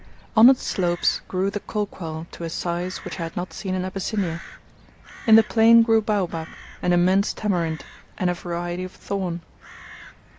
On its slopes grew the kolquall to a size which I had not seen in Abyssinia. In the plain grew baobab, and immense tamarind, and a variety of thorn.